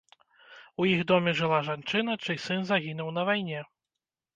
У іх доме жыла жанчына, чый сын загінуў на вайне.